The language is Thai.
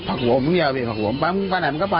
พักหวงพี่พะหวงไปไหนมันก็ไป